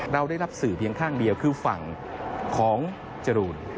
เราได้รับสื่อเพียงข้างเดียวคือฝั่งของจรูน